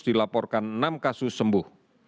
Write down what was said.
dilaporkan enam kasus sembuh